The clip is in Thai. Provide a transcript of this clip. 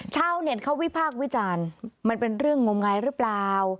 ชาวเน็ตเขาวิพากษ์วิจารณ์มันเป็นเรื่องงมงายหรือเปล่า